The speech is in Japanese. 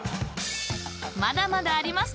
［まだまだあります